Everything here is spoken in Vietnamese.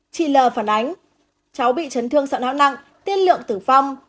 chị l phản ánh cháu bị trấn thương sợ náo nặng tiên lượng tử phong